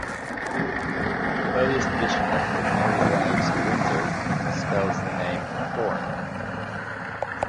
The earliest edition of "The Merry Wives of Windsor" spells the name "Horne".